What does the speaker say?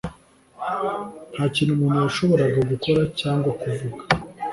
nta kintu umuntu yashoboraga gukora cyangwa kuvuga